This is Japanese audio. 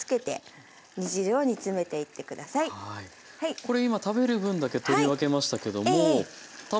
これ今食べる分だけ取り分けましたけども。